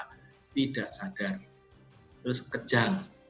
tidak sadar terus kejang